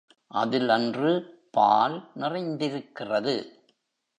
அதில் அன்று பால் நிறைந்திருக்கிறது.